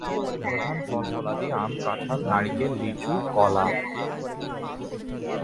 প্রধান ফল-ফলাদি আম, কাঁঠাল, নারিকেল, লিচু, কলা।